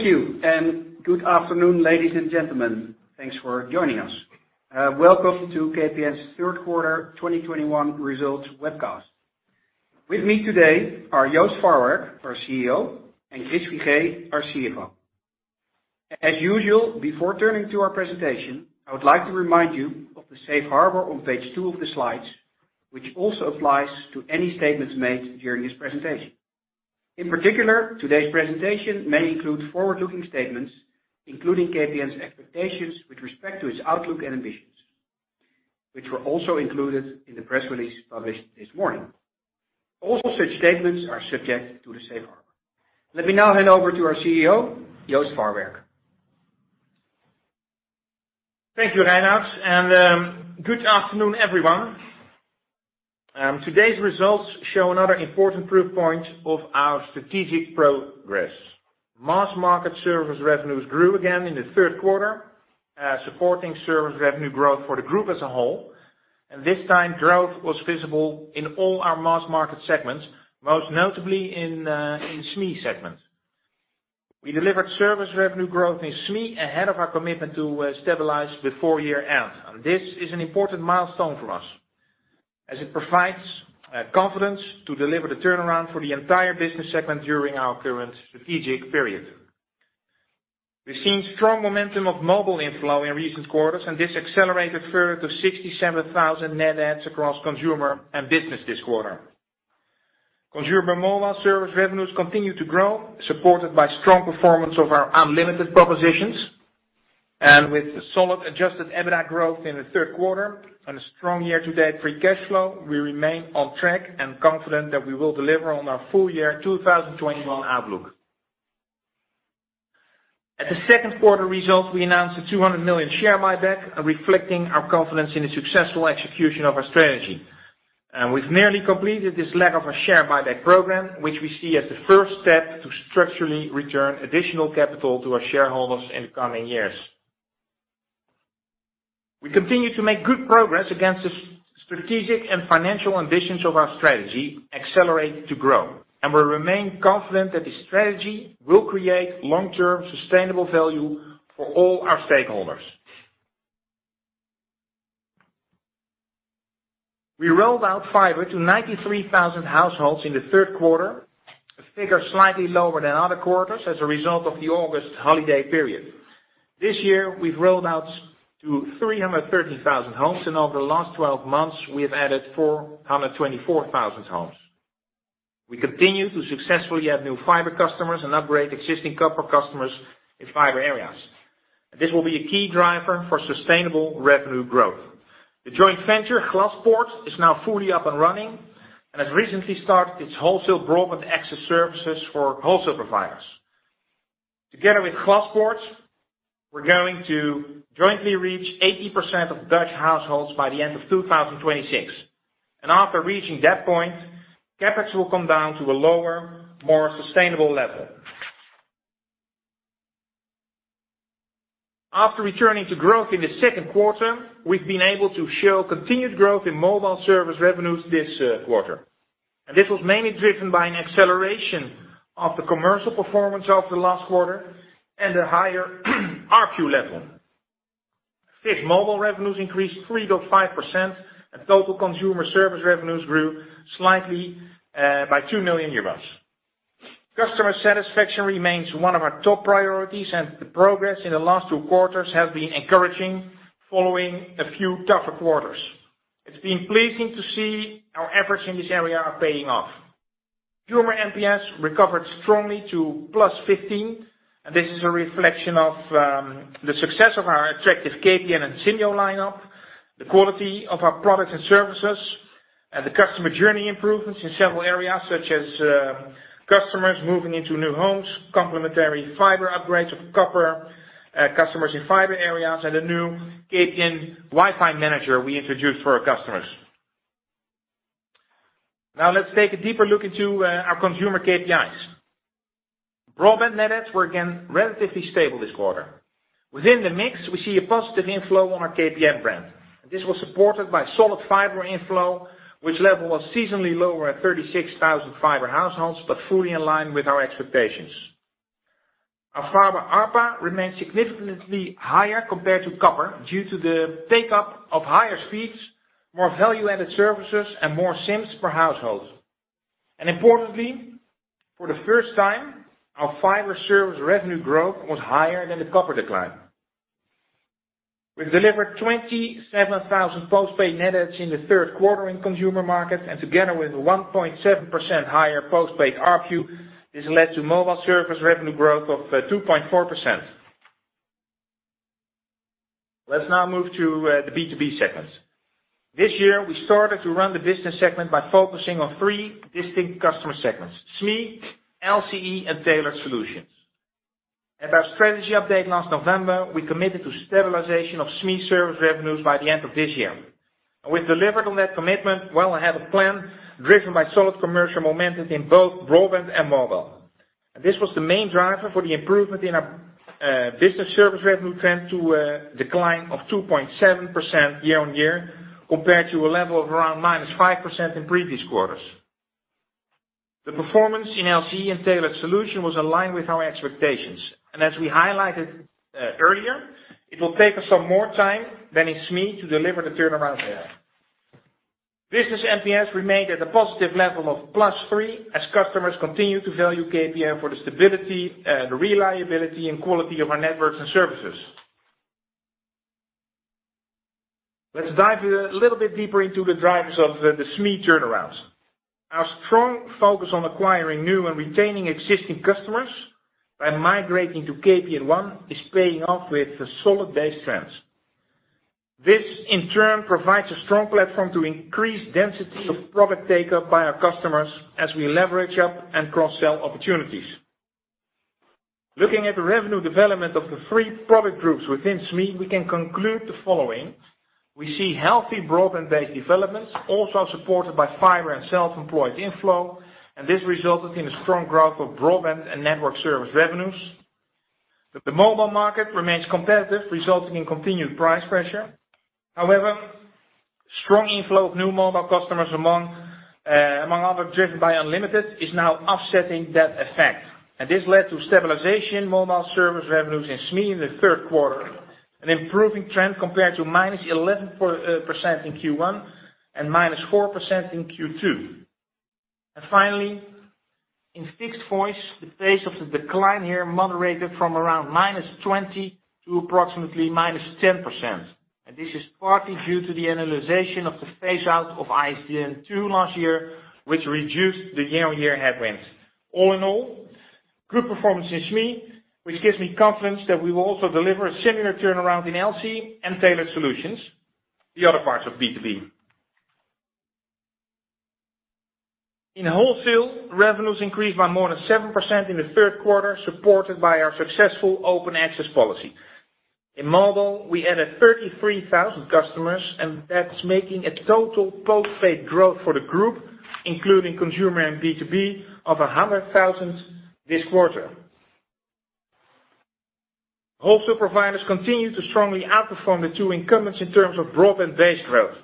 Thank you and good afternoon, ladies and gentlemen. Thanks for joining us. Welcome to KPN's Third Quarter 2021 Results webcast. With me today are Joost Farwerck, our CEO, and Chris Figee, our CFO. As usual, before turning to our presentation, I would like to remind you of the Safe Harbor on page two of the slides, which also applies to any statements made during this presentation. In particular, today's presentation may include forward-looking statements, including KPN's expectations with respect to its outlook and ambitions, which were also included in the press release published this morning. Also, such statements are subject to the Safe Harbor. Let me now hand over to our CEO, Joost Farwerck. Thank you, Reinout, and good afternoon, everyone. Today's results show another important proof point of our strategic progress. Mass market service revenues grew again in the third quarter, supporting service revenue growth for the group as a whole. This time, growth was visible in all our mass market segments, most notably in SME segment. We delivered service revenue growth in SME ahead of our commitment to stabilize before year-end. This is an important milestone for us, as it provides confidence to deliver the turnaround for the entire business segment during our current strategic period. We've seen strong momentum of mobile inflow in recent quarters, and this accelerated further to 67,000 net adds across consumer and business this quarter. Consumer mobile service revenues continued to grow, supported by strong performance of our unlimited propositions. With solid Adjusted EBITDA growth in the third quarter and a strong year-to-date free cash flow, we remain on track and confident that we will deliver on our full year 2021 outlook. At the second quarter results, we announced a 200 million share buyback, reflecting our confidence in the successful execution of our strategy. We've nearly completed this leg of our share buyback program, which we see as the first step to structurally return additional capital to our shareholders in the coming years. We continue to make good progress against the strategic and financial ambitions of our strategy, Accelerate to Grow. We remain confident that this strategy will create long-term sustainable value for all our stakeholders. We rolled out fiber to 93,000 households in the third quarter. A figure slightly lower than other quarters as a result of the August holiday period. This year, we've rolled out FTTH to 313,000 homes, and over the last 12 months, we have added 424,000 homes. We continue to successfully add new fiber customers and upgrade existing copper customers in fiber areas. This will be a key driver for sustainable revenue growth. The joint venture, Glaspoort, is now fully up and running and has recently started its wholesale broadband access services for wholesale providers. Together with Glaspoort, we're going to jointly reach 80% of Dutch households by the end of 2026. After reaching that point, CapEx will come down to a lower, more sustainable level. After returning to growth in the second quarter, we've been able to show continued growth in mobile service revenues this quarter. This was mainly driven by an acceleration of the commercial performance over the last quarter and a higher ARPU level. Fixed mobile revenues increased 3%-5%, and total consumer service revenues grew slightly by 2 million euros. Customer satisfaction remains one of our top priorities, and the progress in the last two quarters has been encouraging following a few tougher quarters. It's been pleasing to see our efforts in this area are paying off. Consumer NPS recovered strongly to +15, and this is a reflection of the success of our attractive KPN and Simyo lineup, the quality of our products and services, and the customer journey improvements in several areas, such as customers moving into new homes, complementary fiber upgrades of copper customers in fiber areas, and a new KPN Wi-Fi Manager we introduced for our customers. Now let's take a deeper look into our consumer KPIs. Broadband net adds were again relatively stable this quarter. Within the mix, we see a positive inflow on our KPN brand. This was supported by solid fiber inflow, which level was seasonally lower at 36,000 fiber households, but fully in line with our expectations. Our fiber ARPA remains significantly higher compared to copper due to the take-up of higher speeds, more value-added services, and more SIMs per household. Importantly, for the first time, our fiber service revenue growth was higher than the copper decline. We've delivered 27,000 postpaid net adds in the third quarter in consumer markets, and together with 1.7% higher postpaid ARPU, this led to mobile service revenue growth of 2.4%. Let's now move to the B2B segment. This year, we started to run the business segment by focusing on three distinct customer segments: SME, LCE, and Tailored Solutions. At our strategy update last November, we committed to stabilization of SME service revenues by the end of this year. We've delivered on that commitment well ahead of plan, driven by solid commercial momentum in both broadband and mobile. This was the main driver for the improvement in our business service revenue trend to a decline of 2.7% year-on-year, compared to a level of around -5% in previous quarters. The performance in LCE and Tailored Solutions was aligned with our expectations. As we highlighted earlier, it will take us some more time than in SME to deliver the turnaround there. Business NPS remained at a positive level of +3 as customers continue to value KPN for the stability and reliability and quality of our networks and services. Let's dive a little bit deeper into the drivers of the SME turnarounds. Our strong focus on acquiring new and retaining existing customers by migrating to KPN One is paying off with solid base trends. This, in turn, provides a strong platform to increase density of product take-up by our customers as we leverage up and cross-sell opportunities. Looking at the revenue development of the three product groups within SME, we can conclude the following. We see healthy broadband-based developments also supported by fiber and self-employed inflow, and this resulted in a strong growth of broadband and network service revenues. The mobile market remains competitive, resulting in continued price pressure. However, strong inflow of new mobile customers among other, driven by unlimited, is now offsetting that effect. This led to stabilization mobile service revenues in SME in the third quarter, an improving trend compared to -11% in Q1 and -4% in Q2. Finally, in fixed voice, the pace of the decline here moderated from around -20% to approximately -10%. This is partly due to the annualization of the phase out of ISDN2 last year, which reduced the year-on-year headwinds. All in all, group performance in SME, which gives me confidence that we will also deliver a similar turnaround in LC and Tailored Solutions, the other parts of B2B. In wholesale, revenues increased by more than 7% in the third quarter, supported by our successful open access policy. In mobile, we added 33,000 customers, and that's making a total post-paid growth for the group, including consumer and B2B of 100,000 this quarter. Wholesale providers continue to strongly outperform the two incumbents in terms of broadband-based growth.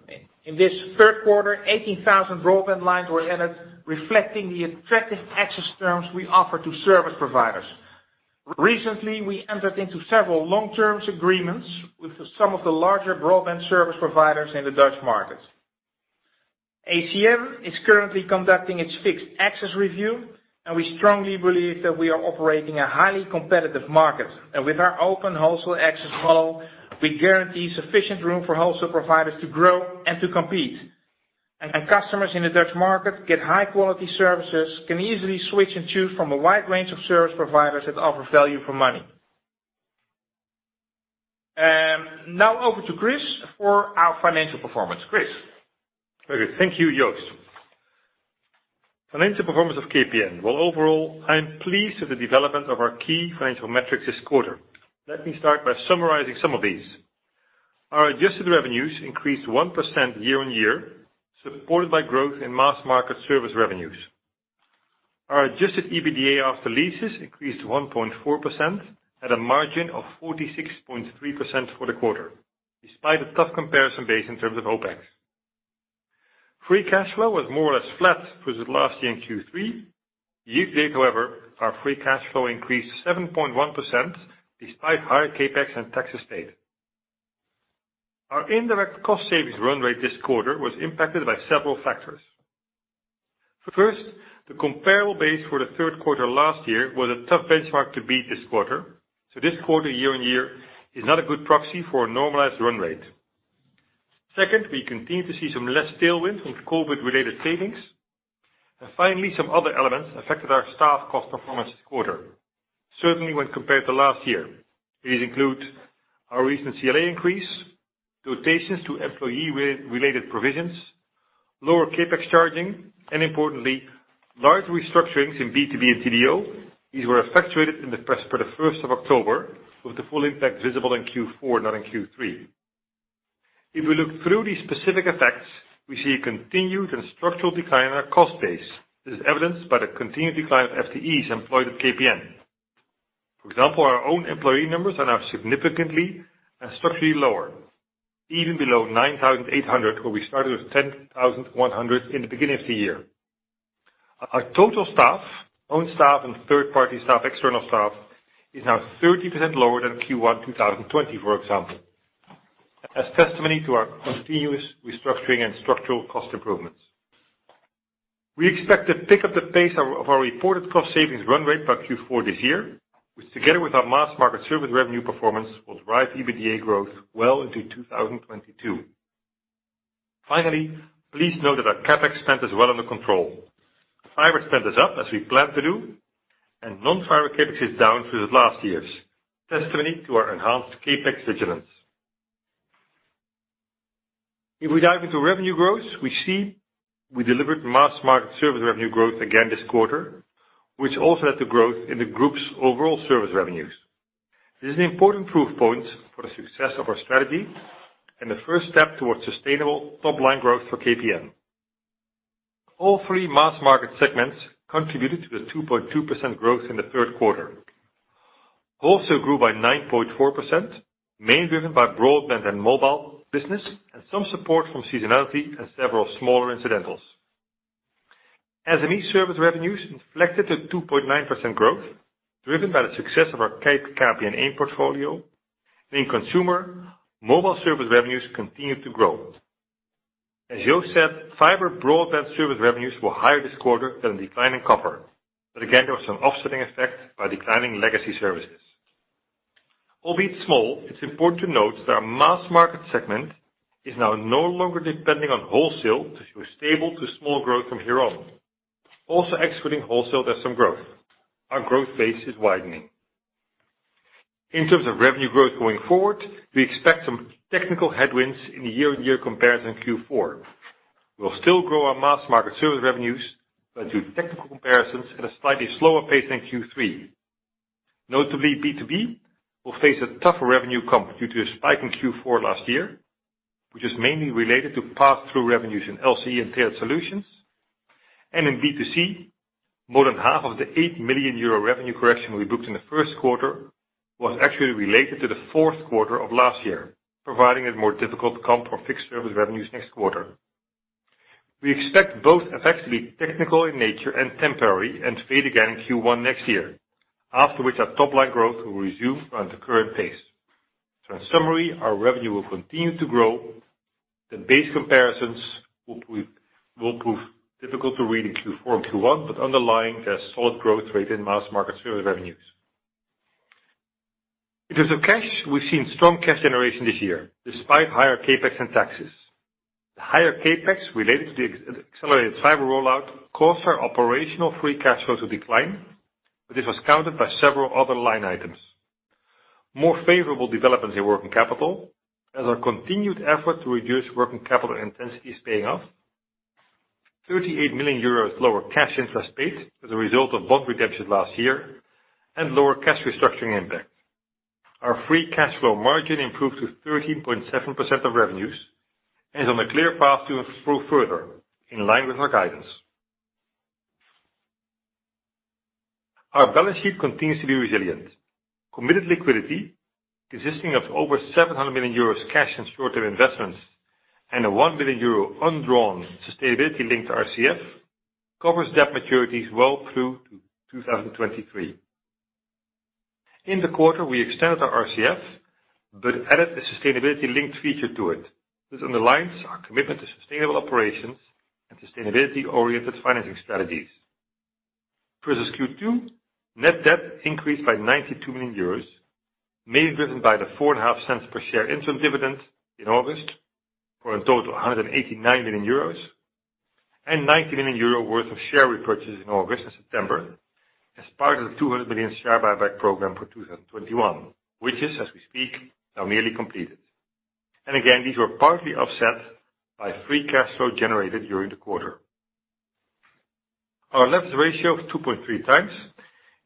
In this third quarter, 18,000 broadband lines were added, reflecting the attractive access terms we offer to service providers. Recently, we entered into several long-term agreements with some of the larger broadband service providers in the Dutch markets. ACM is currently conducting its fixed access review, and we strongly believe that we are operating a highly competitive market. With our open wholesale access model, we guarantee sufficient room for wholesale providers to grow and to compete. Customers in the Dutch market get high-quality services, can easily switch and choose from a wide range of service providers that offer value for money. Now over to Chris for our financial performance. Chris? Okay. Thank you, Joost. Financial performance of KPN. Well, overall, I'm pleased with the development of our key financial metrics this quarter. Let me start by summarizing some of these. Our adjusted revenues increased 1% year-on-year, supported by growth in mass market service revenues. Our Adjusted EBITDA after leases increased 1.4% at a margin of 46.3% for the quarter, despite a tough comparison base in terms of OpEx. Free cash flow was more or less flat with last year in Q3. Year to date, however, our free cash flow increased 7.1% despite higher CapEx and taxes paid. Our indirect cost savings run rate this quarter was impacted by several factors. First, the comparable base for the third quarter last year was a tough benchmark to beat this quarter, so this quarter year-over-year is not a good proxy for a normalized run rate. Second, we continue to see somewhat less tailwind from COVID-related savings. Finally, some other elements affected our staff cost performance this quarter, certainly when compared to last year. These include our recent CLA increase, rotations to employee-related provisions, lower CapEx charging, and importantly, large restructurings in B2B and T&DO. These were effectuated as of the first of October, with the full impact visible in Q4, not in Q3. If we look through these specific effects, we see a continued and structural decline in our cost base. This is evidenced by the continued decline of FTEs employed at KPN. For example, our own employee numbers are now significantly and structurally lower, even below 9,800, where we started with 10,100 in the beginning of the year. Our total staff, own staff and third-party staff, external staff, is now 30% lower than Q1 2020, for example, as testimony to our continuous restructuring and structural cost improvements. We expect to pick up the pace of our reported cost savings run rate by Q4 this year, which together with our mass market service revenue performance, will drive EBITDA growth well into 2022. Finally, please note that our CapEx spend is well under control. Fiber spend is up, as we planned to do, and non-fiber CapEx is down through the last years, testimony to our enhanced CapEx vigilance. If we dive into revenue growth, we see we delivered mass market service revenue growth again this quarter, which also led to growth in the group's overall service revenues. This is an important proof point for the success of our strategy and the first step towards sustainable top-line growth for KPN. All three mass market segments contributed to the 2.2% growth in the third quarter. Also grew by 9.4%, mainly driven by broadband and mobile business and some support from seasonality and several smaller incidentals. SME service revenues inflected 2.9% growth driven by the success of our KPN One portfolio. In consumer, mobile service revenues continued to grow. As Joost said, fiber broadband service revenues were higher this quarter than the decline in copper. Again, there was some offsetting effect by declining legacy services. Albeit small, it's important to note that our mass market segment is now no longer depending on wholesale to show a stable to small growth from here on. Also excluding wholesale, there's some growth. Our growth base is widening. In terms of revenue growth going forward, we expect some technical headwinds in the year-on-year comparison in Q4. We'll still grow our mass market service revenues, but due to technical comparisons at a slightly slower pace than Q3. Notably, B2B will face a tougher revenue comp due to a spike in Q4 last year, which is mainly related to pass-through revenues in LCE and Tailored Solutions. In B2C, more than half of the 8 million euro revenue correction we booked in the first quarter was actually related to the fourth quarter of last year, providing a more difficult comp for fixed service revenues next quarter. We expect both effects to be technical in nature and temporary and fade again in Q1 next year, after which our top line growth will resume around the current pace. In summary, our revenue will continue to grow. The base comparisons will prove difficult to read in Q4 and Q1, but underlying the solid growth rate in mass market service revenues. In terms of cash, we've seen strong cash generation this year, despite higher CapEx and taxes. The higher CapEx related to the accelerated fiber rollout caused our operational free cash flow to decline, but this was countered by several other line items. More favorable developments in working capital, as our continued effort to reduce working capital intensity is paying off. 38 million euros lower cash interest paid as a result of bond redemption last year, and lower cash restructuring impact. Our free cash flow margin improved to 13.7% of revenues and is on a clear path to improve further in line with our guidance. Our balance sheet continues to be resilient. Committed liquidity, consisting of over 700 million euros cash and shorter investments and a 1 billion euro undrawn sustainability-linked RCF, covers debt maturities well through to 2023. In the quarter, we extended our RCF but added a sustainability-linked feature to it. This underlines our commitment to sustainable operations and sustainability-oriented financing strategies. Versus Q2, net debt increased by 92 million euros, mainly driven by the 0.045 cents per share interim dividend in August for a total of 189 million euros and 19 million euro worth of share repurchase in August and September as part of the 200 million share buyback program for 2021, which is, as we speak, now nearly completed. Again, these were partly offset by free cash flow generated during the quarter. Our leverage ratio of 2.3x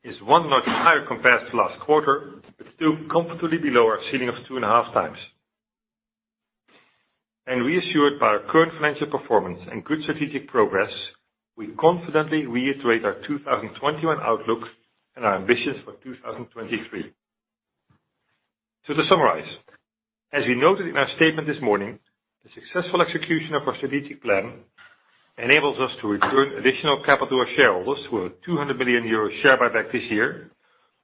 is one notch higher compared to last quarter, but still comfortably below our ceiling of 2.5x. Reassured by our current financial performance and good strategic progress, we confidently reiterate our 2021 outlook and our ambitions for 2023. To summarize, as we noted in our statement this morning, the successful execution of our strategic plan enables us to return additional capital to our shareholders with a 200 million euros share buyback this year,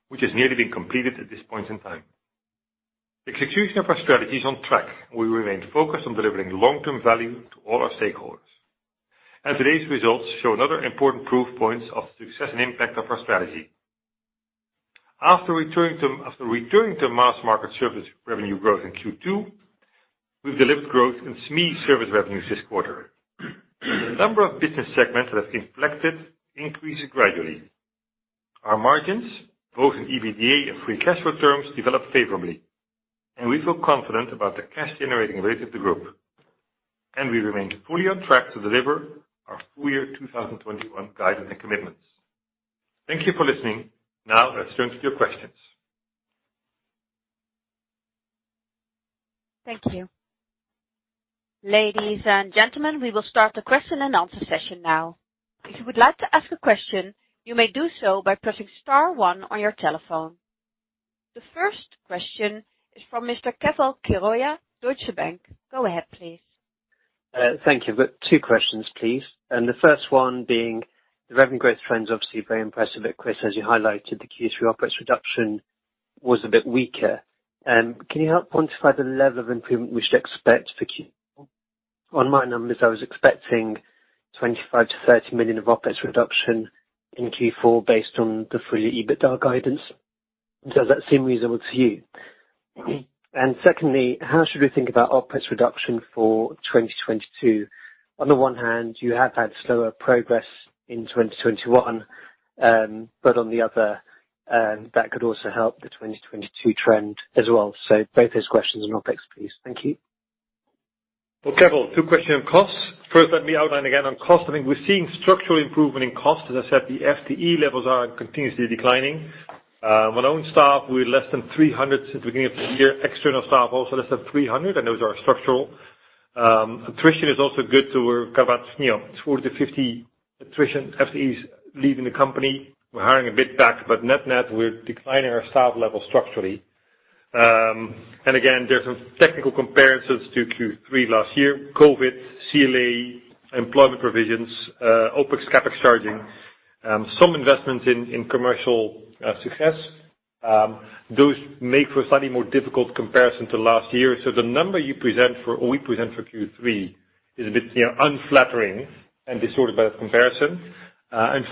which has nearly been completed at this point in time. Execution of our strategy is on track, and we remain focused on delivering long-term value to all our stakeholders. Today's results show another important proof points of success and impact of our strategy. After returning to mass market service revenue growth in Q2, we've delivered growth in SME service revenues this quarter. The number of business segments that have inflected increased gradually. Our margins, both in EBITDA and free cash flow terms, developed favourably, and we feel confident about the cash generating rate of the group. We remain fully on track to deliver our full year 2021 guidance and commitments. Thank you for listening. Now let's turn to your questions. Thank you. Ladies and gentlemen, we will start the question-and-answer session now. If you would like to ask a question, you may do so by pressing star one on your telephone. The first question is from Mr. Keval Khiroya, Deutsche Bank. Go ahead, please. Thank you. I've got two questions, please. The first one being the revenue growth trends are obviously very impressive. But Chris, as you highlighted, the Q3 OpEx reduction was a bit weaker. Can you help quantify the level of improvement we should expect for Q4? On my numbers, I was expecting 25 million-30 million of OpEx reduction in Q4 based on the full year EBITDA guidance. Does that seem reasonable to you? Secondly, how should we think about OpEx reduction for 2022? On the one hand, you have had slower progress in 2021, but on the other, that could also help the 2022 trend as well. Both those questions on OpEx, please. Thank you. Well, Keval, two questions on costs. First, let me outline again on cost. I think we're seeing structural improvement in cost. As I said, the FTE levels are continuously declining. Our own staff, we're less than 300 since the beginning of the year. External staff, also less than 300, and those are structural. Attrition is also good to talk about, 40 to 50 attrition FTEs leaving the company. We're hiring a bit back, but net-net, we're declining our staff level structurally. Again, there's some technical comparisons to Q3 last year. COVID, CLA, employment provisions, OpEx, CapEx charging, some investments in commercial success. Those make for a slightly more difficult comparison to last year. The number you present for or we present for Q3 is a bit unflattering and distorted by the comparison.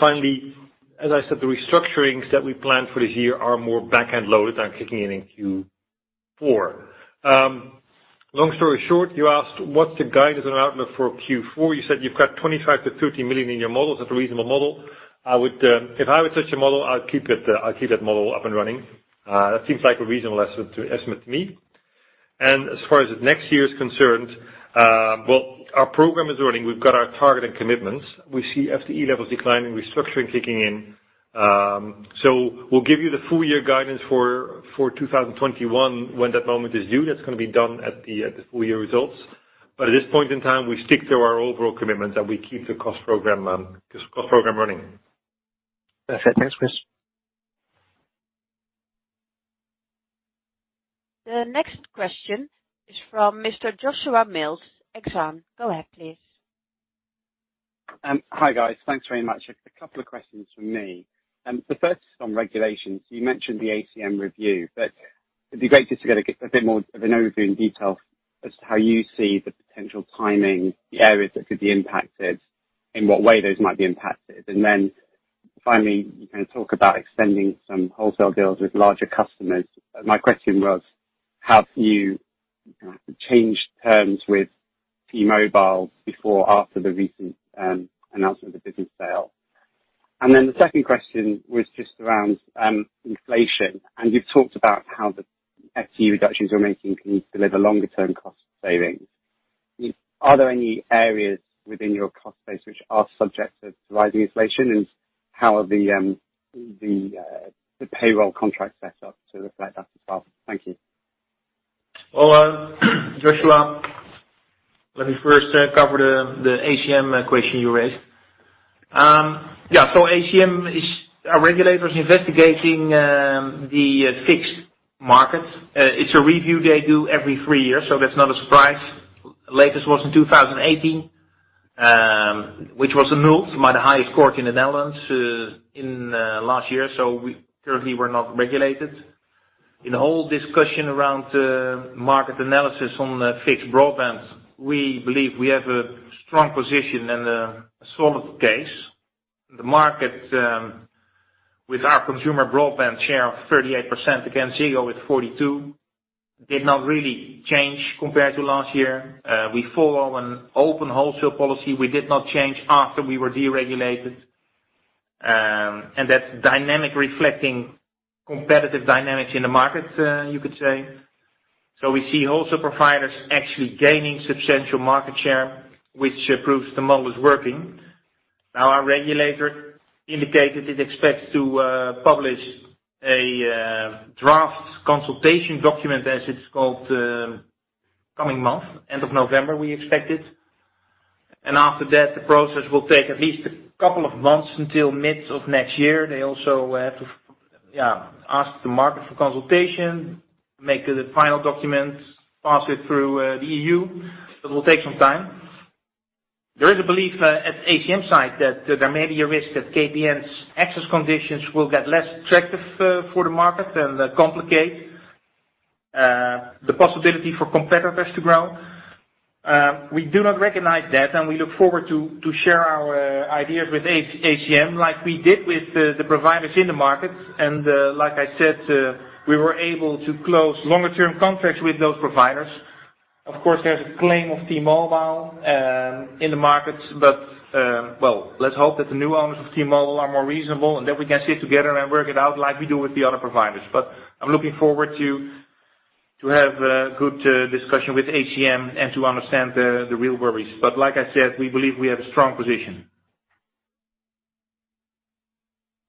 Finally, as I said, the restructurings that we planned for this year are more back-end loaded and kicking in in Q4. Long story short, you asked, what's the guidance and outlook for Q4? You said you've got 25 million to 30 million in your models. That's a reasonable model. I would. If I had such a model, I'd keep it. I'd keep that model up and running. That seems like a reasonable estimate to me. As far as next year is concerned, well, our program is running. We've got our targeted commitments. We see FTE levels declining, restructuring kicking in. We'll give you the full year guidance for 2021 when that moment is due. That's gonna be done at the full year results. At this point in time, we stick to our overall commitments and we keep the cost program running. Perfect. Thanks, Chris. The next question is from Mr. Joshua Mills, Exane. Go ahead, please. Hi, guys. Thanks very much. A couple of questions from me. The first is on regulations. You mentioned the ACM review, but it'd be great just to get a bit more of an overview and detail as to how you see the potential timing, the areas that could be impacted, in what way those might be impacted. Finally, you talk about extending some wholesale deals with larger customers. My question was, have you know, changed terms with T-Mobile before or after the recent announcement of the business sale? The second question was just around inflation. You've talked about how the FTE reductions you're making can deliver longer term cost savings. Are there any areas within your cost base which are subject to rising inflation, and how are the payroll contracts set up to reflect that as well? Thank you. Well, Joshua, let me first cover the ACM question you raised. ACM is our regulators investigating the fixed market. It's a review they do every three years, so that's not a surprise. Latest was in 2018, which was annulled by the highest court in the Netherlands in last year. We currently were not regulated. In the whole discussion around market analysis on the fixed broadband, we believe we have a strong position and a solid case. The market with our consumer broadband share of 38% against Ziggo with 42% did not really change compared to last year. We follow an open wholesale policy. We did not change after we were deregulated. That's dynamic reflecting competitive dynamics in the market, you could say. We see wholesale providers actually gaining substantial market share, which proves the model is working. Now, our regulator indicated it expects to publish a draft consultation document, as it's called, coming month. End of November, we expect it. After that, the process will take at least a couple of months until mid of next year. They also have to ask the market for consultation, make the final document, pass it through the EU. It will take some time. There is a belief at ACM's side that there may be a risk that KPN's access conditions will get less attractive for the market and complicate the possibility for competitors to grow. We do not recognize that, and we look forward to share our ideas with ACM like we did with the providers in the market. Like I said, we were able to close longer term contracts with those providers. Of course, there's a claim of T-Mobile in the market, but, well, let's hope that the new owners of T-Mobile are more reasonable and that we can sit together and work it out like we do with the other providers. But I'm looking forward to have a good discussion with ACM and to understand the real worries. But like I said, we believe we have a strong position.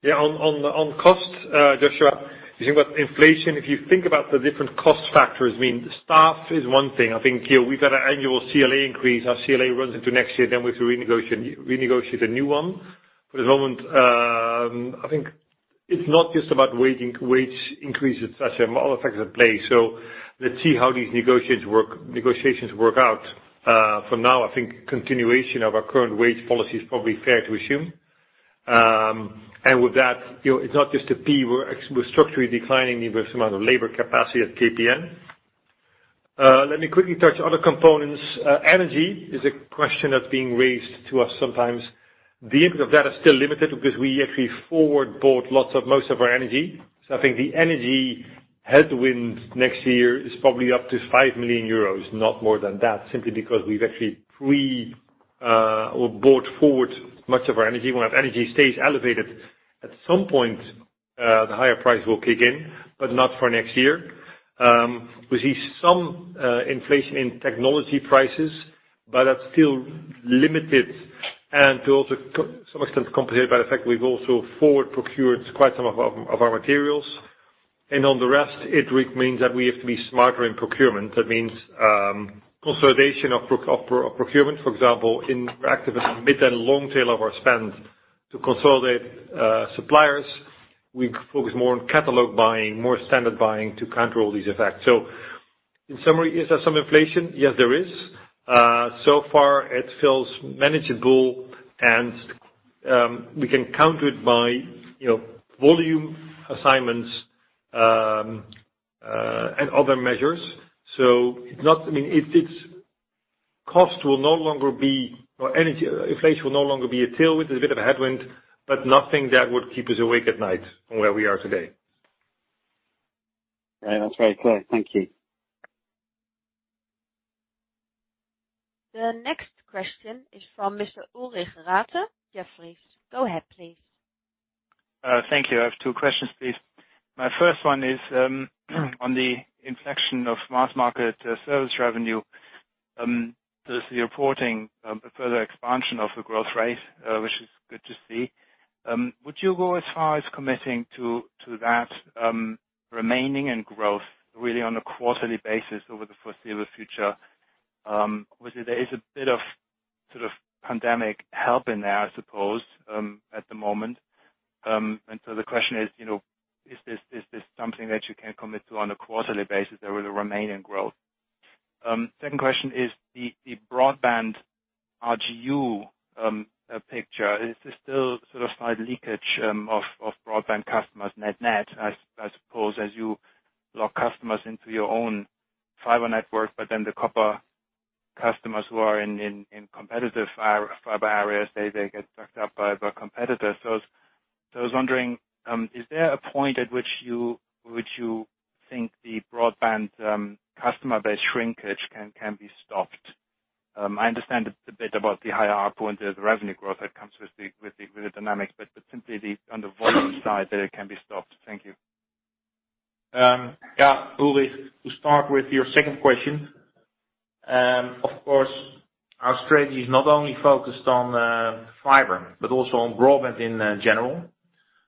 Yeah, on cost, Joshua, you think about inflation. If you think about the different cost factors, I mean, staff is one thing. I think here we've got an annual CLA increase. Our CLA runs into next year, then we have to renegotiate a new one. For the moment, I think it's not just about wage increases as there are more other factors at play. Let's see how these negotiations work out. For now, I think continuation of our current wage policy is probably fair to assume. With that, you know, it's not just pay. We're structurally declining the amount of labor capacity at KPN. Let me quickly touch other components. Energy is a question that's being raised to us sometimes. The impact of that is still limited because we actually forward bought most of our energy. I think the energy headwind next year is probably up to 5 million euros, not more than that, simply because we've actually forward bought much of our energy. When that energy stays elevated, at some point, the higher price will kick in, but not for next year. We see some inflation in technology prices, but that's still limited and to also to some extent compensated by the fact we've also forward procured quite some of our materials. On the rest, it means that we have to be smarter in procurement. That means consolidation of procurement, for example, in active mid and long tail of our spend to consolidate suppliers. We focus more on catalog buying, more standard buying to counter all these effects. In summary, is there some inflation? Yes, there is. So far it feels manageable and we can counter it by, you know, volume assignments and other measures. It's not. I mean, it's cost will no longer be or energy inflation will no longer be a tailwind. It's a bit of a headwind, but nothing that would keep us awake at night from where we are today. Okay. That's very clear. Thank you. The next question is from Mr. Ulrich Rathe, Jefferies. Go ahead, please. Thank you. I have two questions, please. My first one is on the inflection of mass market service revenue. They're reporting a further expansion of the growth rate, which is good to see. Would you go as far as committing to that remaining in growth really on a quarterly basis over the foreseeable future? Obviously there is a bit of sort of pandemic help in there, I suppose, at the moment. The question is, you know, is this something that you can commit to on a quarterly basis that will remain in growth? Second question is the broadband RGU picture. Is this still sort of slight leakage of broadband customers net, I suppose, as you lock customers into your own fiber network, but then the copper customers who are in competitive fiber areas, they get sucked up by the competitors. I was wondering, is there a point at which you think the broadband customer base shrinkage can be stopped? I understand a bit about the higher ARPU, the revenue growth that comes with the dynamics, but simply on the volume side that it can be stopped. Thank you. Yeah, Ulrich, to start with your second question. Of course, our strategy is not only focused on fiber, but also on broadband in general.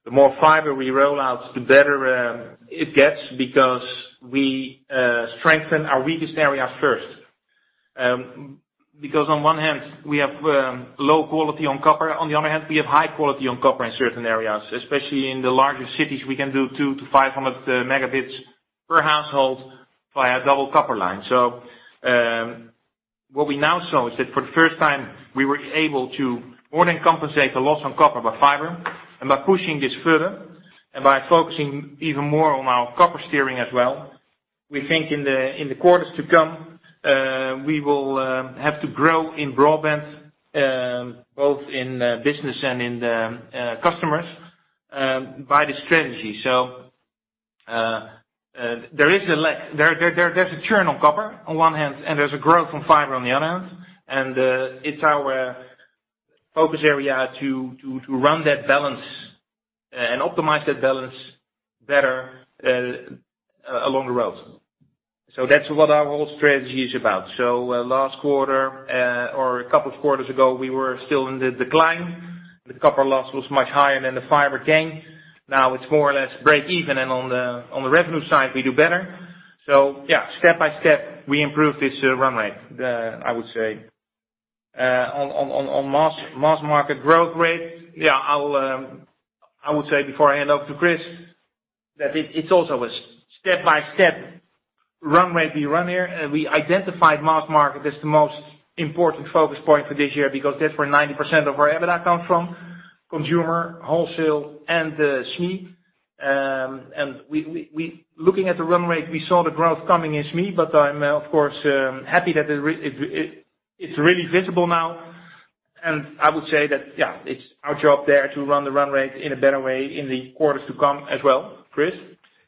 The more fiber we roll out, the better it gets because we strengthen our weakest area first, because on one hand we have low quality on copper, on the other hand, we have high quality on copper in certain areas, especially in the larger cities. We can do 200 Mbps-500 Mbps per household via double copper line. What we now saw is that for the first time we were able to more than compensate the loss on copper by fiber. By pushing this further and by focusing even more on our copper steering as well, we think in the quarters to come, we will have to grow in broadband, both in business and in the customers, by this strategy. There's a churn on copper on one hand, and there's a growth on fiber on the other hand. It's our focus area to run that balance and optimize that balance better, along the road. That's what our whole strategy is about. Last quarter or a couple of quarters ago, we were still in the decline. The copper loss was much higher than the fiber gain. Now it's more or less break even. On the revenue side, we do better. Yeah, step by step we improve this run rate, I would say. On mass market growth rate, yeah, I would say before I hand over to Chris, that it's also a step by step run rate we run here. We identified mass market as the most important focus point for this year because that's where 90% of our EBITDA comes from, consumer, wholesale and SME. Looking at the run rate, we saw the growth coming in SME, but I'm of course happy that it's really visible now. I would say that, yeah, it's our job there to run the run rate in a better way in the quarters to come as well. Chris.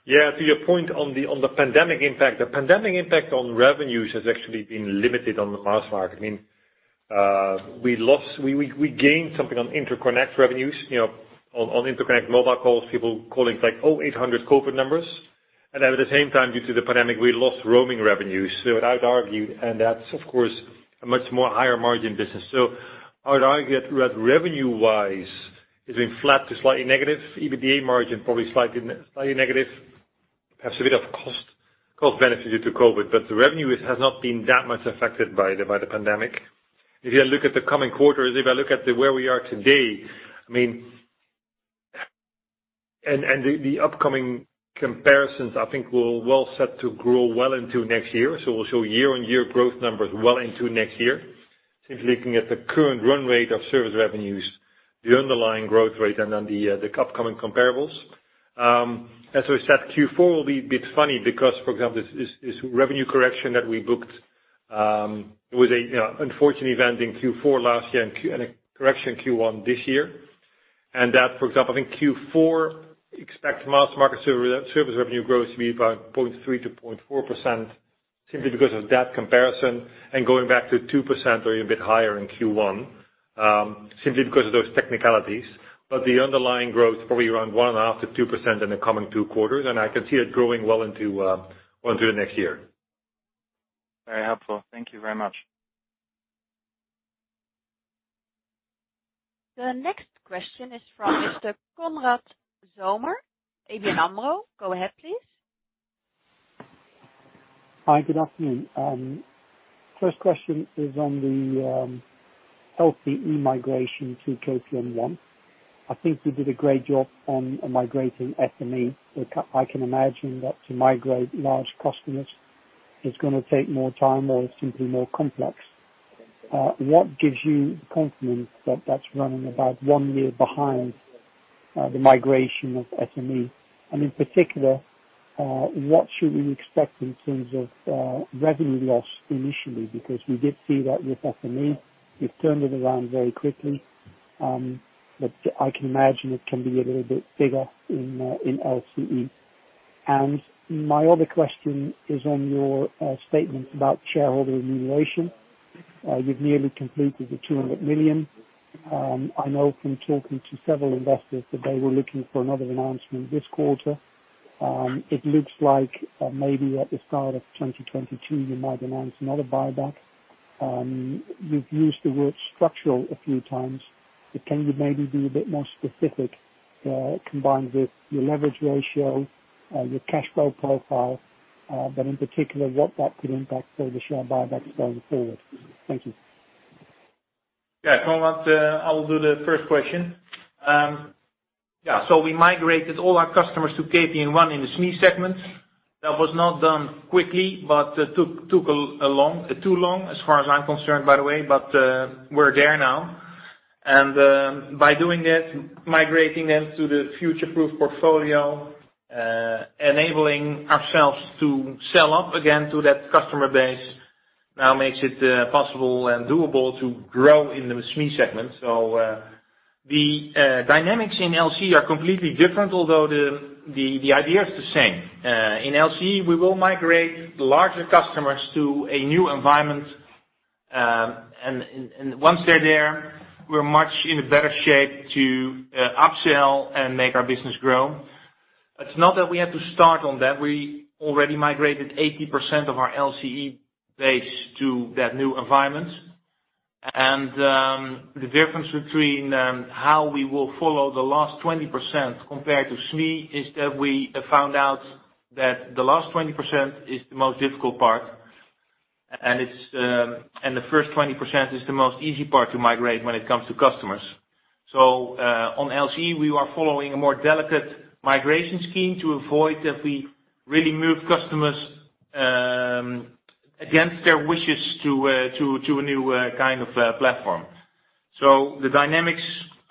Yeah. To your point on the pandemic impact. The pandemic impact on revenues has actually been limited on the mass market. I mean, we gained something on interconnect revenues, you know, on interconnect mobile calls, people calling like 800 corporate numbers. At the same time, due to the pandemic, we lost roaming revenues. I'd argue and that's of course a much more higher margin business. I'd argue that revenue wise, it's been flat to slightly negative. EBITDA margin, probably slightly negative. Perhaps a bit of cost benefit due to COVID, but the revenue has not been that much affected by the pandemic. If you look at the coming quarters, if I look at where we are today, the upcoming comparisons, I think we're well set to grow well into next year. We'll show year-on-year growth numbers well into next year. Simply looking at the current run rate of service revenues, the underlying growth rate and then the upcoming comparables. As we said, Q4 will be a bit funny because, for example, this revenue correction that we booked, it was a you know unfortunate event in Q4 last year and a correction in Q1 this year. That, for example, I think Q4 expect mass market service revenue growth to be about 0.3%-0.4% simply because of that comparison and going back to 2% or even a bit higher in Q1, simply because of those technicalities. The underlying growth probably around 1.5%-2% in the coming two quarters.I can see it growing well into the next year. Very helpful. Thank you very much. The next question is from Mr. Konrad Zomer, ABN AMRO. Go ahead, please. Hi, good afternoon. First question is on the healthy migration to KPN One. I think you did a great job on migrating SME. I can imagine that to migrate large customers is gonna take more time or is simply more complex. What gives you the confidence that that's running about one year behind the migration of SME? In particular, what should we expect in terms of revenue loss initially? Because we did see that with SME, you've turned it around very quickly. I can imagine it can be a little bit bigger in LCE. My other question is on your statement about shareholder remuneration. You've nearly completed the 200 million. I know from talking to several investors that they were looking for another announcement this quarter. It looks like, maybe at the start of 2022, you might announce another buyback. You've used the word structural a few times. Can you maybe be a bit more specific, combined with your leverage ratio, your cash flow profile, but in particular, what that could impact for the share buybacks going forward? Thank you. Yeah. Konrad Zomer, I will do the first question. Yeah, we migrated all our customers to KPN One in the SME segment. That was not done quickly, but took too long as far as I'm concerned, by the way, but we're there now. By doing this, migrating them to the future-proof portfolio, enabling ourselves to sell up again to that customer base now makes it possible and doable to grow in the SME segment. The dynamics in LCE are completely different, although the idea is the same. In LCE, we will migrate the larger customers to a new environment, and once they're there, we're much in a better shape to upsell and make our business grow. It's not that we have to start on that. We already migrated 80% of our LCE base to that new environment. The difference between how we will follow the last 20% compared to SME is that we have found out that the last 20% is the most difficult part, and it's and the first 20% is the most easy part to migrate when it comes to customers. On LCE, we are following a more delicate migration scheme to avoid that we really move customers against their wishes to a new kind of platform. The dynamics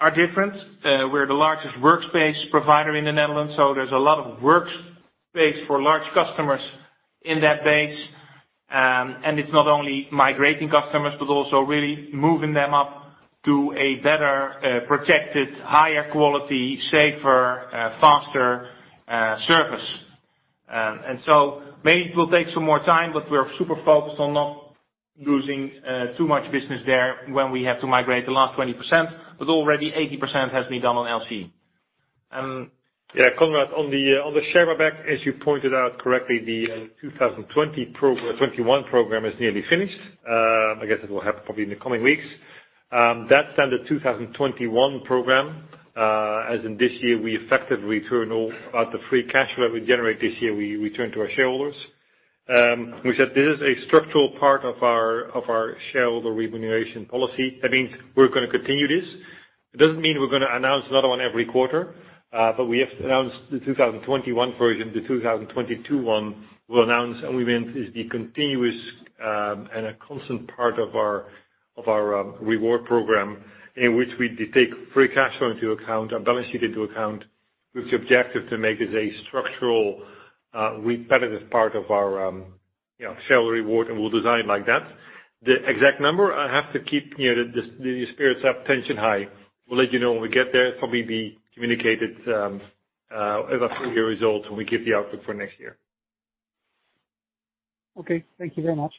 are different. We're the largest workspace provider in the Netherlands, so there's a lot of workspace for large customers in that base. It's not only migrating customers but also really moving them up to a better, protected, higher quality, safer, faster, service. Maybe it will take some more time, but we're super focused on not losing too much business there when we have to migrate the last 20%. Already 80% has been done on LCE. Yeah, Konrad Zomer, on the share buyback, as you pointed out correctly, the 2021 program is nearly finished. I guess it will happen probably in the coming weeks. That standard 2021 program, as in this year, we effectively return all the free cash flow we generate this year to our shareholders. We said this is a structural part of our shareholder remuneration policy. That means we're gonna continue this. It doesn't mean we're gonna announce another one every quarter, but we have to announce the 2021 version. The 2022 one, we'll announce, and what we mean is the continuous and a constant part of our reward program, in which we take free cash flow into account, our balance sheet into account, with the objective to make this a structural repetitive part of our, you know, share reward, and we'll design like that. The exact number, I have to keep, you know, the spirits up, tension high. We'll let you know when we get there. It'll probably be communicated as a full year result when we give the outlook for next year. Okay, thank you very much.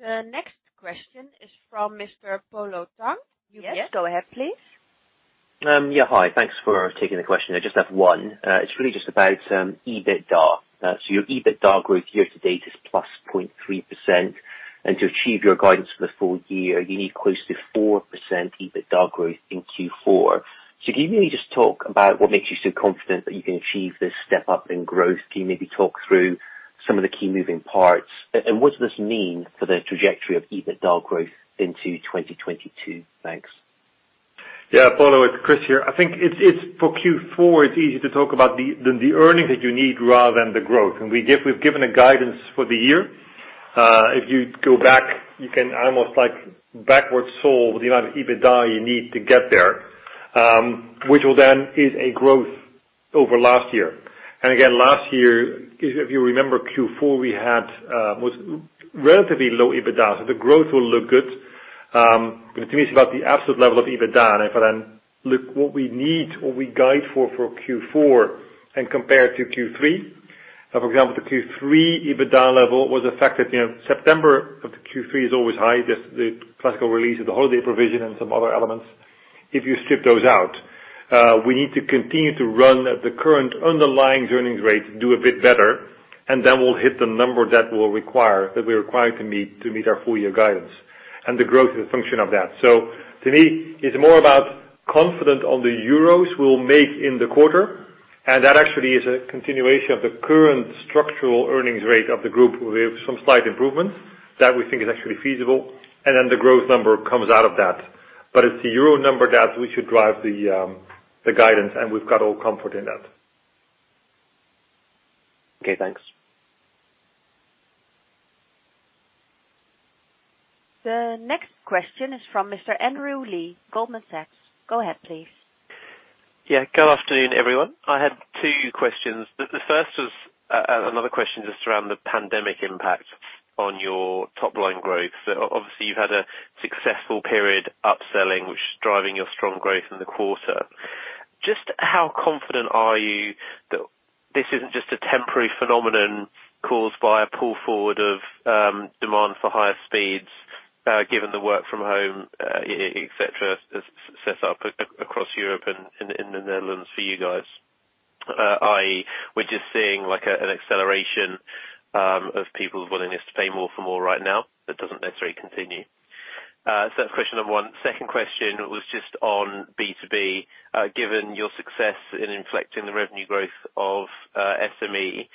The next question is from Mr. Polo Tang, UBS. Yes, go ahead, please. Hi. Thanks for taking the question. I just have one. It's really just about EBITDA. Your EBITDA growth year to date is +0.3%. To achieve your guidance for the full year, you need close to 4% EBITDA growth in Q4. Can you maybe just talk about what makes you so confident that you can achieve this step-up in growth? Can you maybe talk through some of the key moving parts? What does this mean for the trajectory of EBITDA growth into 2022? Thanks. Yeah, Polo, it's Chris here. I think it's for Q4, it's easy to talk about the earnings that you need rather than the growth. We've given a guidance for the year. If you go back, you can almost, like, backward solve the amount of EBITDA you need to get there, which will then is a growth over last year. Again, last year, if you remember Q4, it was relatively low EBITDA, so the growth will look good. But to me, it's about the absolute level of EBITDA. If I then look what we need or we guide for Q4 and compare to Q3, for example, the Q3 EBITDA level was affected. You know, September of the Q3 is always high. The classical release of the holiday provision and some other elements. If you strip those out, we need to continue to run at the current underlying earnings rate, do a bit better, and then we'll hit the number that we require to meet our full year guidance and the growth is a function of that. To me, it's more about confident on the euros we'll make in the quarter, and that actually is a continuation of the current structural earnings rate of the group, with some slight improvements that we think is actually feasible, and then the growth number comes out of that. It's the euro number that we should drive the guidance, and we've got all comfort in that. Okay, thanks. The next question is from Mr. Andrew Lee, Goldman Sachs. Go ahead, please. Yeah. Good afternoon, everyone. I had two questions. The first was another question just around the pandemic impact on your top line growth. Obviously, you've had a successful period upselling, which is driving your strong growth in the quarter. Just how confident are you that this isn't just a temporary phenomenon caused by a pull forward of demand for higher speeds, given the work from home, et cetera, setup across Europe and in the Netherlands for you guys? i.e., we're just seeing like an acceleration of people's willingness to pay more for more right now, that doesn't necessarily continue. That's question number one. Second question was just on B2B. Given your success in inflecting the revenue growth of SME,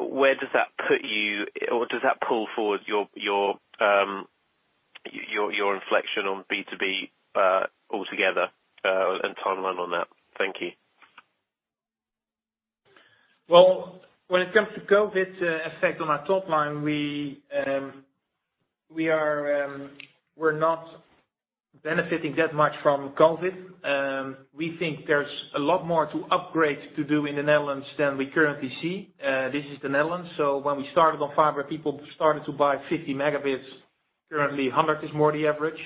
where does that put you? Does that pull forward your inflection on B2B altogether, and timeline on that? Thank you. Well, when it comes to COVID's effect on our top line, we're not benefiting that much from COVID. We think there's a lot more to upgrade to do in the Netherlands than we currently see. This is the Netherlands. When we started on fiber, people started to buy 50 Mbps. Currently, 100 Mbps is more the average.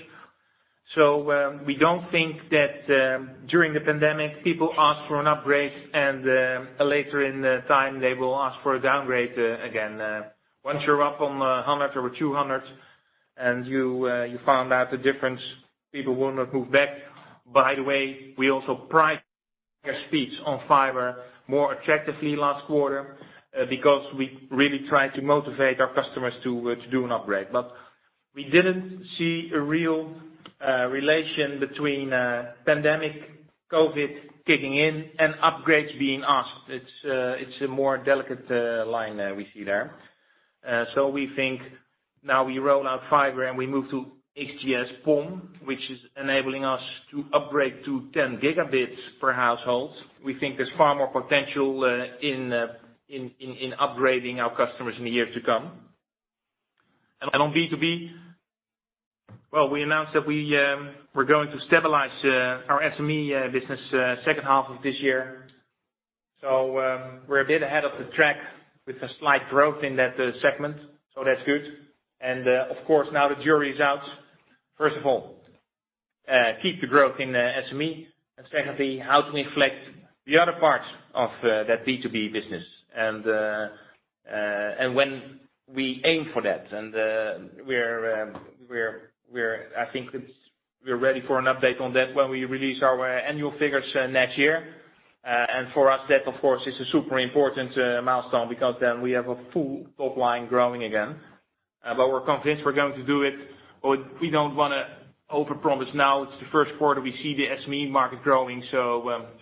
We don't think that during the pandemic, people ask for an upgrade and later in the time they will ask for a downgrade again. Once you're up on 100 Mbps or 200 Mbps and you found out the difference, people will not move back. By the way, we also priced their speeds on fiber more attractively last quarter because we really tried to motivate our customers to do an upgrade. We didn't see a real relation between COVID pandemic kicking in and upgrades being asked. It's a more delicate line we see there. We think now we roll out fiber and we move to XGS-PON, which is enabling us to upgrade to 10 Gbps per household. We think there's far more potential in upgrading our customers in the years to come. On B2B, well, we announced that we're going to stabilize our SME business second half of this year. We're a bit ahead of the track with a slight growth in that segment. That's good. Of course, now the jury is out. First of all, keep the growth in the SME, and secondly, how to inflect the other parts of that B2B business. When we aim for that and we're ready for an update on that when we release our annual figures next year. For us, that of course is a super important milestone because then we have a full top line growing again. We're convinced we're going to do it. We don't want to overpromise now. It's the first quarter, we see the SME market growing.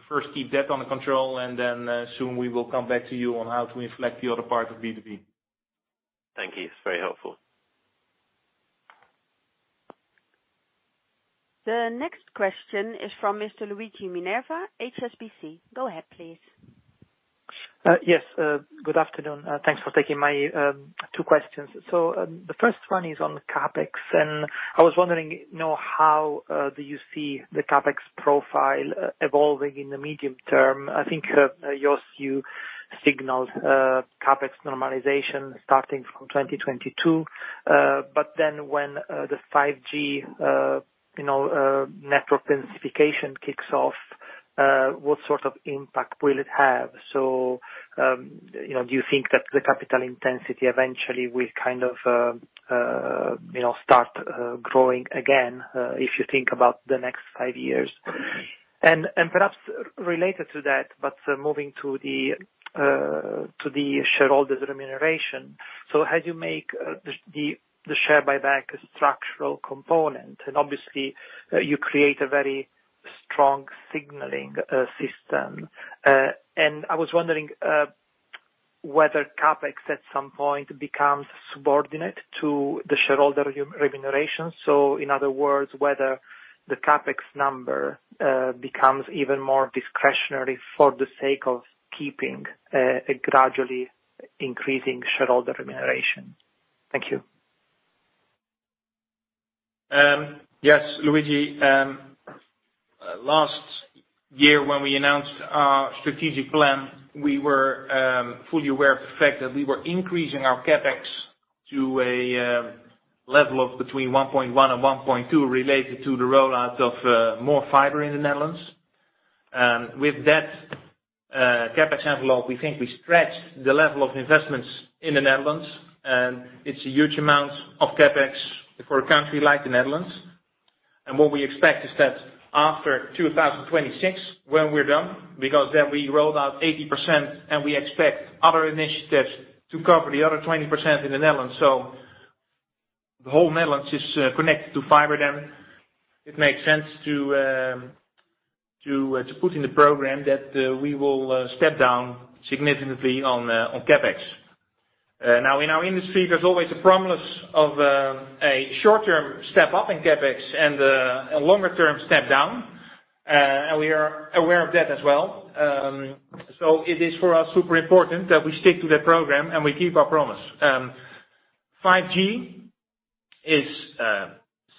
First keep that under control, and then soon we will come back to you on how to inflect the other parts of B2B. Thank you. It's very helpful. The next question is from Mr. Luigi Minerva, HSBC. Go ahead, please. Yes. Good afternoon. Thanks for taking my two questions. The first one is on CapEx, and I was wondering, you know, how do you see the CapEx profile evolving in the medium term? I think, Joost, you signaled CapEx normalization starting from 2022. But then when the 5G you know network densification kicks off, what sort of impact will it have? You know, do you think that the capital intensity eventually will kind of you know start growing again if you think about the next five years? Perhaps related to that, but moving to the shareholder remuneration. As you make the share buyback a structural component, and obviously you create a very strong signaling system.I was wondering whether CapEx at some point becomes subordinate to the shareholder remuneration. In other words, whether the CapEx number becomes even more discretionary for the sake of keeping a gradually increasing shareholder remuneration. Thank you. Yes, Luigi. Last year when we announced our strategic plan, we were fully aware of the fact that we were increasing our CapEx to a level of between 1.1 and 1.2 related to the rollout of more fiber in the Netherlands. With that CapEx envelope, we think we stretched the level of investments in the Netherlands, and it's a huge amount of CapEx for a country like the Netherlands. What we expect is that after 2026, when we're done, because then we rolled out 80% and we expect other initiatives to cover the other 20% in the Netherlands. The whole Netherlands is connected to fiber then. It makes sense to put in the program that we will step down significantly on CapEx. Now in our industry, there's always the promise of a short-term step-up in CapEx and a longer-term step down. We are aware of that as well. It is for us super important that we stick to the program and we keep our promise. 5G is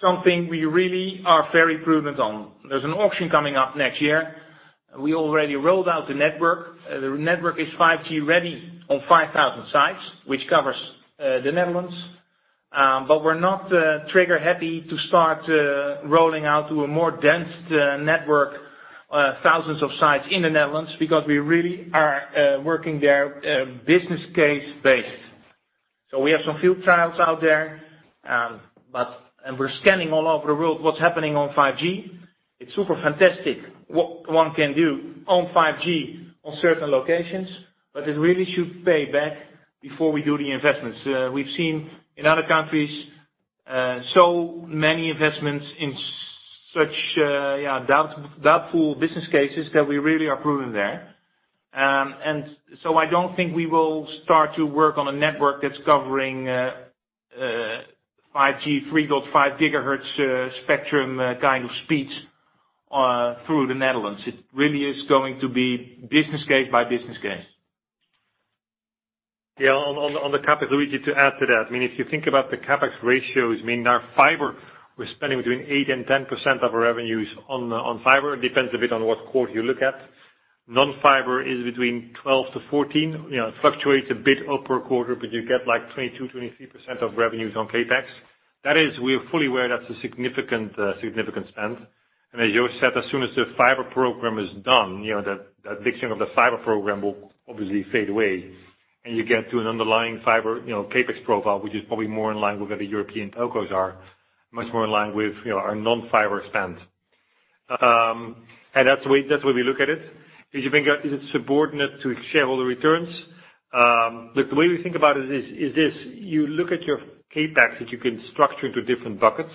something we really are very prudent on. There's an auction coming up next year. We already rolled out the network. The network is 5G ready on 5,000 sites, which covers the Netherlands. We're not trigger-happy to start rolling out to a more dense network, thousands of sites in the Netherlands because we really are working their business case based. We have some field trials out there. We're scanning all over the world what's happening on 5G. It's super fantastic what one can do on 5G on certain locations, but it really should pay back before we do the investments. We've seen in other countries so many investments in such doubtful business cases that we really are prudent there. I don't think we will start to work on a network that's covering 5G, 3.5 GHz spectrum kind of speeds through the Netherlands. It really is going to be business case by business case. Yeah. On the CapEx, Luigi, to add to that. I mean, if you think about the CapEx ratios, I mean, our fiber, we're spending between 8% and 10% of our revenues on fiber. It depends a bit on what quarter you look at. Non-fiber is between 12% to 14%. You know, it fluctuates a bit per quarter, but you get like 22%-23% of revenues on CapEx. That is, we are fully aware that's a significant spend. As Jo said, as soon as the fiber program is done, you know, that mixing of the fiber program will obviously fade away and you get to an underlying fiber, you know, CapEx profile, which is probably more in line with where the European telcos are, much more in line with, you know, our non-fiber spend. That's the way we look at it. If you think, is it subordinate to shareholder returns? The way we think about it is this, you look at your CapEx that you can structure into different buckets.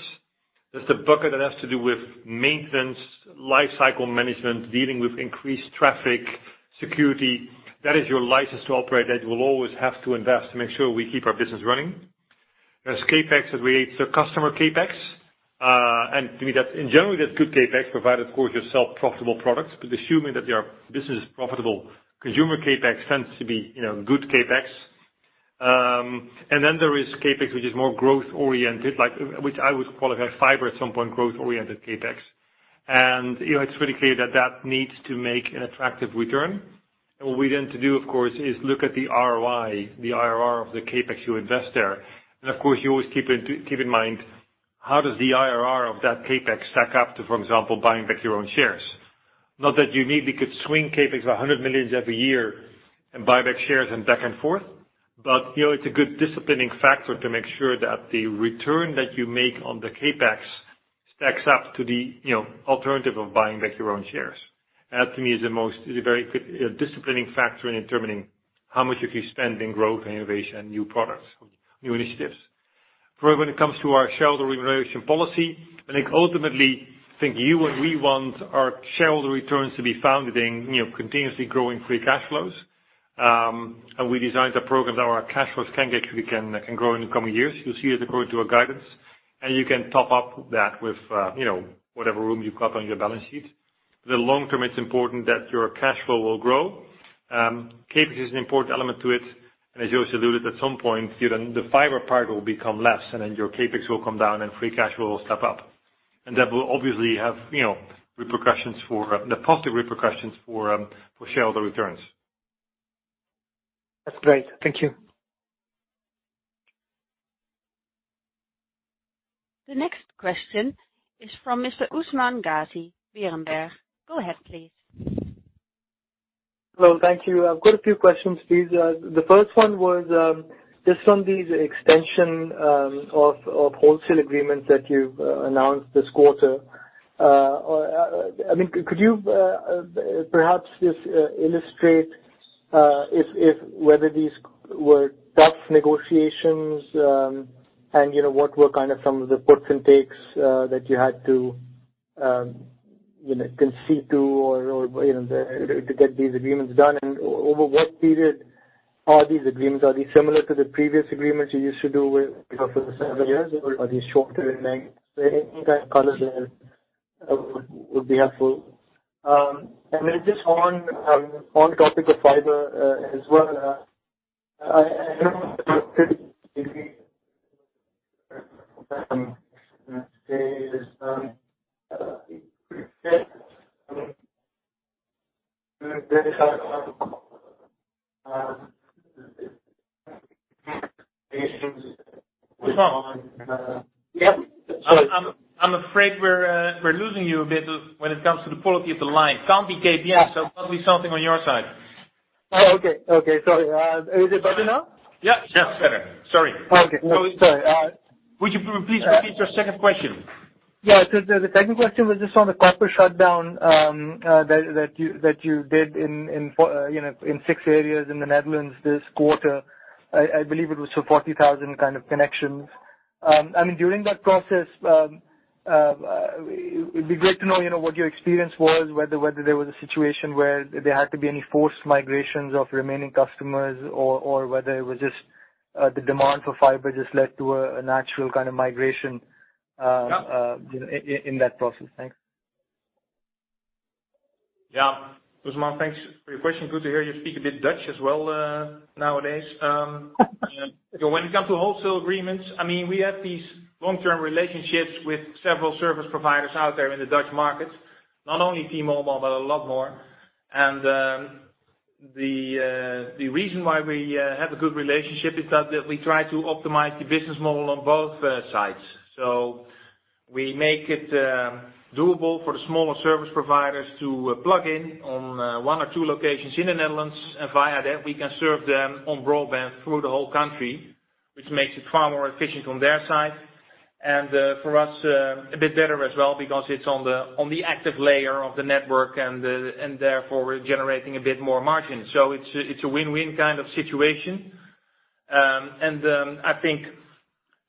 There's the bucket that has to do with maintenance, lifecycle management, dealing with increased traffic, security. That is your license to operate that you will always have to invest to make sure we keep our business running. There's CapEx that relates to customer CapEx. To me, that's in general, that's good CapEx, provided of course, you sell profitable products. Assuming that your business is profitable, consumer CapEx tends to be, you know, good CapEx. Then there is CapEx which is more growth oriented, like, which I would qualify fiber at some point, growth oriented CapEx. It's really clear that that needs to make an attractive return. You know, what we intend to do, of course, is look at the ROI, the IRR of the CapEx you invest there. Of course, you always keep in mind how the IRR of that CapEx stacks up to, for example, buying back your own shares. Not that you immediately could swing CapEx hundreds of millions EUR every year and buy back shares back and forth. You know, it's a good disciplining factor to make sure that the return that you make on the CapEx stacks up to the, you know, alternative of buying back your own shares. That to me is a very good disciplining factor in determining how much you spend in growth and innovation, new products, new initiatives. For when it comes to our shareholder remuneration policy, I think ultimately you and we want our shareholder returns to be founded in, you know, continuously growing free cash flows. And we designed a program that our cash flows can grow in the coming years. You'll see it according to our guidance, and you can top up that with, you know, whatever room you've got on your balance sheet. But long term, it's important that your cash flow will grow. CapEx is an important element to it. And as Joost also alluded, at some point, you know, then the fiber part will become less, and then your CapEx will come down and free cash flow will step up. And that will obviously have, you know, the positive repercussions for shareholder returns. That's great. Thank you. The next question is from Mr. Usman Ghazi, Berenberg. Go ahead, please. Hello. Thank you. I've got a few questions, please. The first one was just on the extension of wholesale agreements that you've announced this quarter. I mean, could you perhaps just illustrate whether these were tough negotiations, and you know, what were kind of some of the puts and takes that you had to you know, concede to or you know, to get these agreements done? Over what period are these agreements? Are these similar to the previous agreements you used to do with you know, for the seven years, or are these shorter in length? Any kind of color there would be helpful. Just on topic of fiber as well. I don't know about 50%. Let's say is pretty fit. There is a I'm afraid we're losing you a bit when it comes to the quality of the line. Can't be KPN, so probably something on your side. Oh, okay. Sorry. Is it better now? Yeah. It's better. Sorry. Okay. Sorry. Would you please repeat your second question? Yeah. The second question was just on the copper shutdown that you did in six areas in the Netherlands this quarter. I believe it was so 40,000 kind of connections. I mean, during that process, it would be great to know what your experience was, whether there was a situation where there had to be any forced migrations of remaining customers or whether it was just the demand for fiber that led to a natural kind of migration. Yeah in that process. Thanks. Yeah. Usman, thanks for your question. Good to hear you speak a bit Dutch as well nowadays. When it comes to wholesale agreements, I mean, we have these long-term relationships with several service providers out there in the Dutch market, not only T-Mobile, but a lot more. The reason why we have a good relationship is that we try to optimize the business model on both sides. We make it doable for the smaller service providers to plug in on one or two locations in the Netherlands. Via that, we can serve them on broadband through the whole country, which makes it far more efficient on their side. For us, a bit better as well because it's on the active layer of the network, and therefore we're generating a bit more margin. It's a win-win kind of situation. I think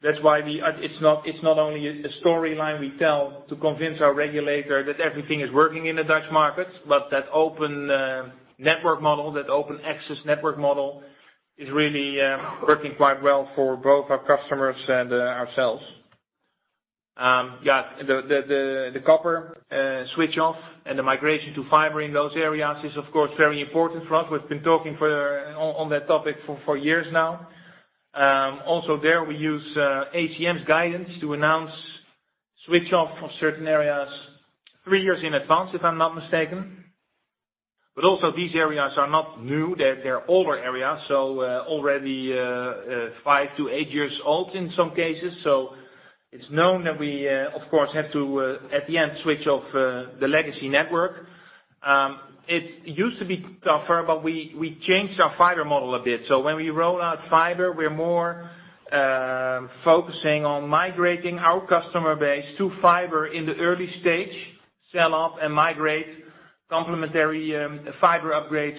that's why. It's not only a storyline we tell to convince our regulator that everything is working in the Dutch markets, but that open network model, that open access network model is really working quite well for both our customers and ourselves. The copper switch off and the migration to fiber in those areas is, of course, very important for us. We've been talking on that topic for years now. Also there, we use ACM's guidance to announce switch off of certain areas three years in advance, if I'm not mistaken. Also, these areas are not new. They're older areas, so already five to eight years old in some cases. It's known that we of course have to at the end switch off the legacy network. It used to be tougher, but we changed our fiber model a bit. When we roll out fiber, we're more focusing on migrating our customer base to fiber in the early stage, sell off and migrate complementary fiber upgrades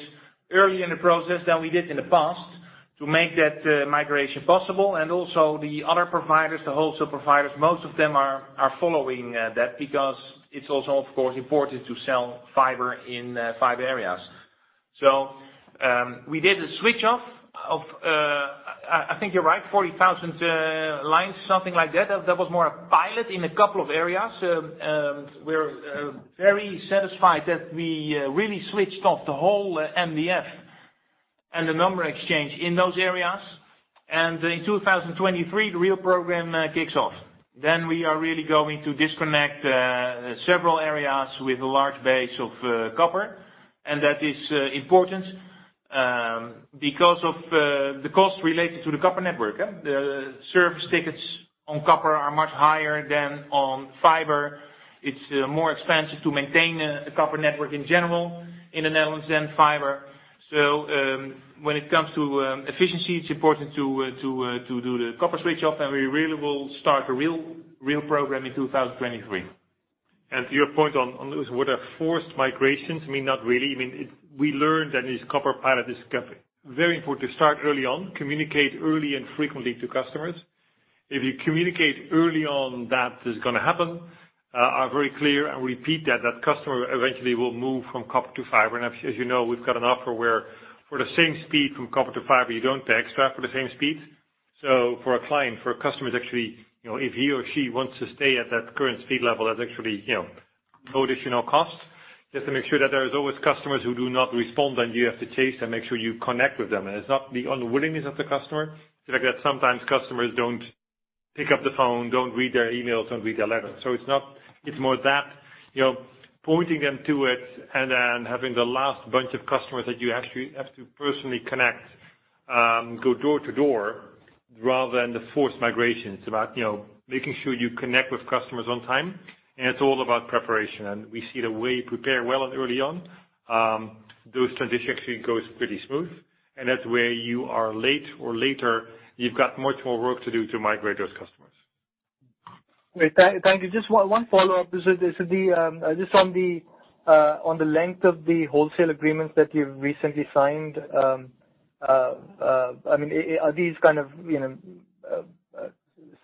earlier in the process than we did in the past to make that migration possible. Also, the other providers, the wholesale providers, most of them are following that because it's also, of course, important to sell fiber in fiber areas. We did a switch off of I think you're right, 40,000 lines, something like that. That was more a pilot in a couple of areas. We're very satisfied that we really switched off the whole MDF and the number exchange in those areas. In 2023, the real program kicks off. We are really going to disconnect several areas with a large base of copper. That is important because of the costs related to the copper network. The service tickets on copper are much higher than on fiber. It's more expensive to maintain a copper network in general in the Netherlands than fiber. When it comes to efficiency, it's important to do the copper switch off, and we really will start a real program in 2023. To your point on those would-be forced migrations? Not really. We learned that this copper pilot is very important to start early on, communicate early and frequently to customers. If you communicate early on that this is gonna happen, and be very clear and repeat that, the customer eventually will move from copper to fiber. As you know, we've got an offer where for the same speed from copper to fiber, you don't pay extra for the same speed. For a customer who's actually, you know, if he or she wants to stay at that current speed level, that's actually, you know, no additional cost. Just to make sure that there's always customers who do not respond, then you have to chase them, make sure you connect with them. It's not the unwillingness of the customer. It's like that sometimes customers don't pick up the phone, don't read their emails, don't read their letters. It's not. It's more that, you know, pointing them to it and having the last bunch of customers that you actually have to personally connect, go door to door rather than the forced migration. It's about, you know, making sure you connect with customers on time, and it's all about preparation. We see the way you prepare well early on, those transition actually goes pretty smooth. That's where you are late or later, you've got much more work to do to migrate those customers. Thank you. Just one follow-up. This is just on the length of the wholesale agreements that you've recently signed. I mean, are these kind of, you know,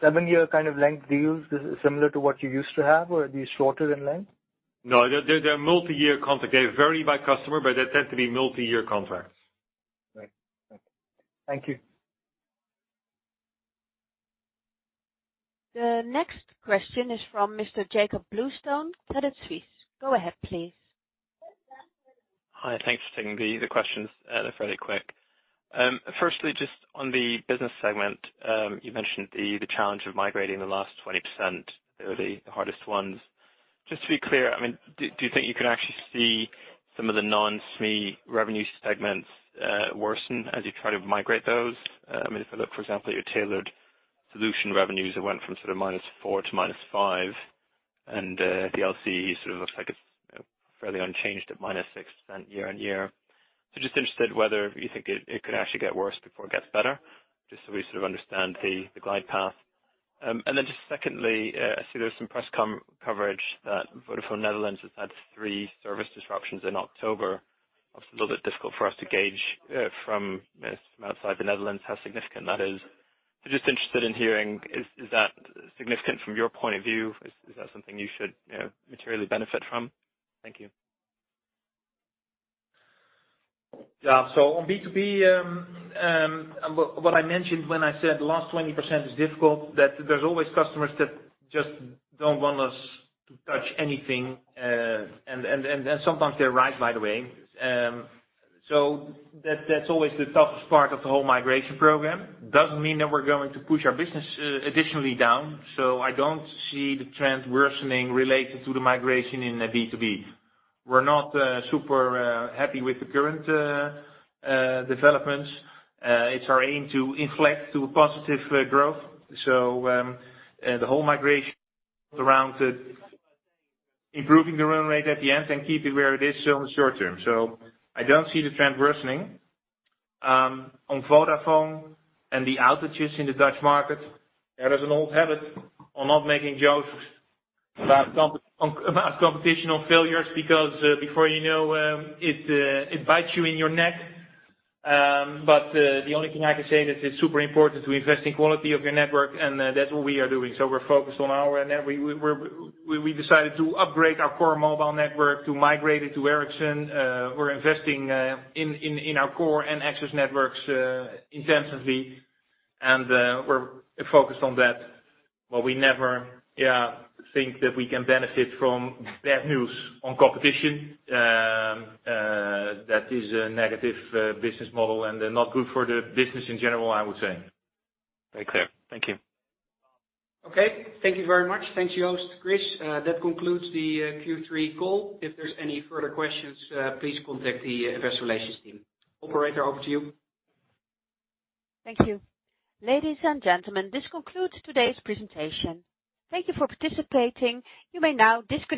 seven-year kind of length deals similar to what you used to have, or are these shorter in length? No, they're multi-year contracts. They vary by customer, but they tend to be multi-year contracts. Right. Okay. Thank you. The next question is from Mr. Jakob Bluestone, Credit Suisse. Go ahead, please. Hi. Thanks for taking the questions. They're fairly quick. First, just on the business segment, you mentioned the challenge of migrating the last 20%. They were the hardest ones. Just to be clear, I mean, do you think you can actually see some of the non-SME revenue segments worsen as you try to migrate those? I mean, if I look, for example, at your Tailored Solutions revenues that went from sort of -4% to -5%, and the LCE sort of looks like it's, you know, fairly unchanged at -6% year-on-year. So just interested whether you think it could actually get worse before it gets better, just so we sort of understand the glide path. And then just second, I see there's some press coverage that Vodafone Netherlands has had three service disruptions in October. Obviously, a little bit difficult for us to gauge, from, I guess, from outside the Netherlands, how significant that is. Just interested in hearing, is that significant from your point of view? Is that something you should, you know, materially benefit from? Thank you. Yeah. On B2B, what I mentioned when I said the last 20% is difficult, that there's always customers that just don't want us to touch anything. Sometimes they're right, by the way. That's always the toughest part of the whole migration program. Doesn't mean that we're going to push our business additionally down. I don't see the trend worsening related to the migration in B2B. We're not super happy with the current developments. It's our aim to inflect to positive growth. The whole migration around improving the run rate at the end and keep it where it is, so in the short term. I don't see the trend worsening. On Vodafone and the outages in the Dutch market, there is an old habit of not making jokes about competitor failures because before you know it bites you in the neck. The only thing I can say that is super important to invest in quality of your network, and that's what we are doing. We're focused on our end. We decided to upgrade our core mobile network to migrate it to Ericsson. We're investing in our core and access networks intensively. We're focused on that. We never think that we can benefit from bad news on competition. That is a negative business model, and they are not good for the business in general, I would say. Very clear. Thank you. Okay. Thank you very much. Thanks, Joost, Chris. That concludes the Q3 call. If there's any further questions, please contact the Investor Relations team. Operator, over to you. Thank you. Ladies and gentlemen, this concludes today's presentation. Thank you for participating. You may now disconnect your